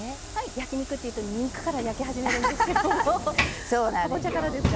焼き肉っていうと肉から焼き始めるんですけどもかぼちゃからですか。